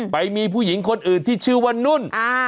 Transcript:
ไปมีผู้หญิงคนอื่นที่ชื่อว่านุ่น